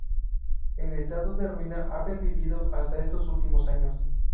En estado de ruina ha pervivido hasta estos últimos años.